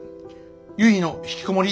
ゆいのひきこもり